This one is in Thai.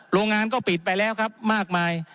โรงงานก็ปิดไปแล้วครับมากมาย